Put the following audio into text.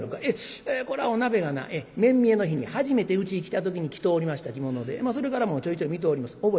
「ええこれはお鍋がな目見えの日に初めてうちに来た時に着ておりました着物でそれからもちょいちょい見ております。